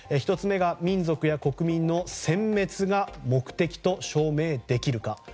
１つ目は民族や国民の殲滅が目的と証明できるか。